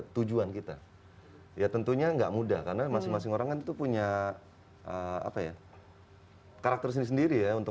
tujuan kita ya tentunya gak muda karena masing masing orang itu punya apa ya karakternya sendiri untuk